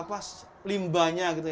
ini penting sekali bagi saya dan keluarga